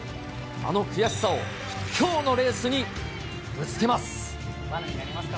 あの悔しさを、きょうのレースにぶつけます。